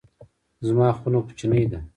زما خونه کوچنۍ ده